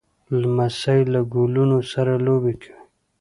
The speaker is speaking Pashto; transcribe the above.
لمسی له ګلونو سره لوبې کوي.